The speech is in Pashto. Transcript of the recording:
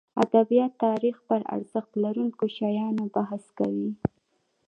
ادبیات تاریخ پرارزښت لرونکو شیانو بحث کوي.